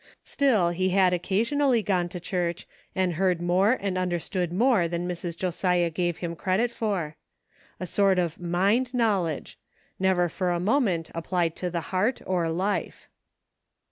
Still, he had occasionally gone to church, and heard more and understood more than Mrs. Josiah gave him credit for. A sort of mind knowledge ; never for a mo ment applied to the heart or life.